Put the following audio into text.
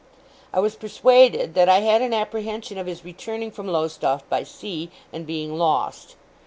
I was persuaded that I had an apprehension of his returning from Lowestoft by sea, and being lost.